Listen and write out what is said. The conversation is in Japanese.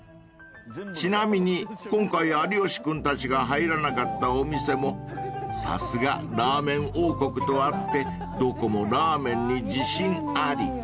［ちなみに今回有吉君たちが入らなかったお店もさすがラーメン王国とあってどこもラーメンに自信あり］